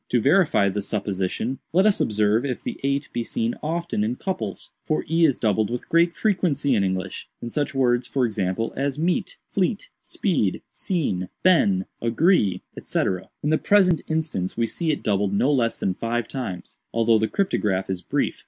To verify the supposition, let us observe if the 8 be seen often in couples—for e is doubled with great frequency in English—in such words, for example, as 'meet,' '.fleet,' 'speed,' 'seen,' been,' 'agree,' &c. In the present instance we see it doubled no less than five times, although the cryptograph is brief.